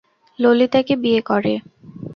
ললিতাকে বিয়ে করে!